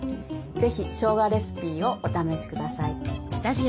是非しょうがレシピをお試しください。